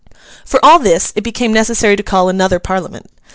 For all this, it became necessary to call another Parliament.